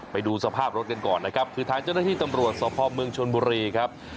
ไปดูสภาพรถกันก่อนนะครับคือทางเจ้าหน้าที่ตำรวจสภาพเมืองชนบุรีครับ